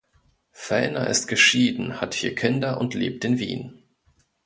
Fellner ist geschieden, hat vier Kinder und lebt in Wien.